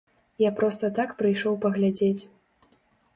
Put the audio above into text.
Я проста так прыйшоў паглядзець.